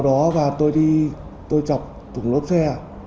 sau đó tôi đi tôi chọc thùng lốt xe